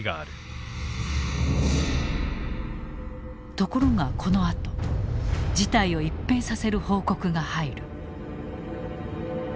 ところがこのあと事態を一変させる報告が入る。